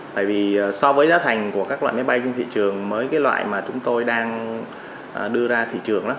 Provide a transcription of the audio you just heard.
tại vì so với giá thành của các loại máy bay trên thị trường mới cái loại mà chúng tôi đang đưa ra thị trường